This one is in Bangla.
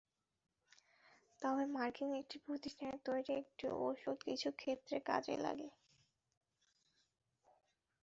তবে মার্কিন একটি প্রতিষ্ঠানের তৈরি একটি ওষুধ কিছু ক্ষেত্রে কাজে লাগে।